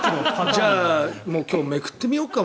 じゃあ、今日もうめくってみようか。